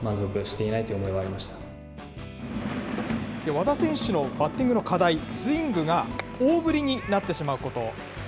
和田選手のバッティングの課題、スイングが、大ぶりになってしまうこと。